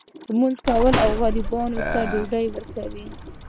لمونځ کول او غریبانو ته ډوډۍ ورکول.